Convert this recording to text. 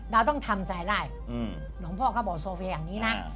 เราต้องทำใจได้หลวงพ่อก็บอกโซเฟย์อย่างนี้นะ